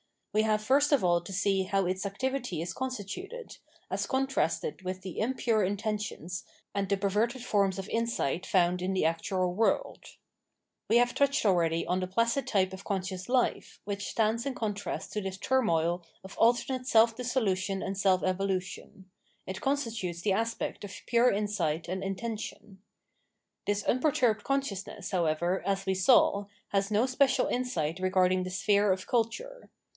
We have j&rst of aU to see how its activity is constituted, as contrasted with the impure intentions and the per verted forms of insight found in the actual world, f We have touched already on the placid type of con scious life, which stands in contrast to this turmoil of alternate self dissolution and self evolution ; it con stitutes the aspect of pure insight and intention. This unperturbed consciousness, however, as we saw, has no special insight regarding the sphere of culture.